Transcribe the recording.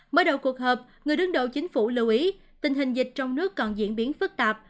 mới đầu cuộc họp người đứng đầu chính phủ lưu ý tình hình dịch trong nước còn diễn biến phức tạp